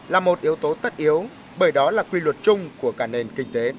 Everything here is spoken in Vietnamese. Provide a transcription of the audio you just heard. là một yếu tố tất yếu bởi đó là quy luật chung của cả nền kinh tế